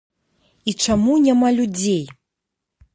І чаму няма людзей?